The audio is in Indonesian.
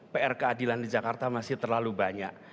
pr keadilan di jakarta masih terlalu banyak